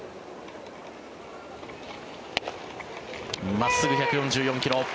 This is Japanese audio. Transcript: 真っすぐ、１４４ｋｍ。